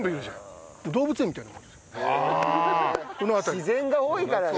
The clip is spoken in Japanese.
自然が多いからね。